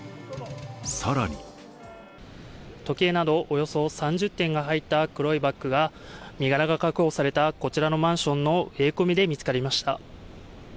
更に時計などおよそ３０点が入った黒いバッグが身柄が確保されたこちらのマンションの植え込みで見つかりました。